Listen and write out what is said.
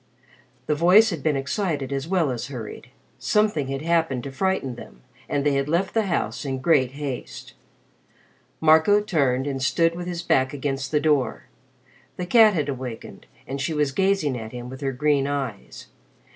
The voice had been excited as well as hurried. Something had happened to frighten them, and they had left the house in great haste. Marco turned and stood with his back against the door. The cat had awakened and she was gazing at him with her green eyes.